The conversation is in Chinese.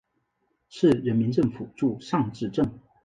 市人民政府驻尚志镇。